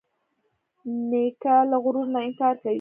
نیکه له غرور نه انکار کوي.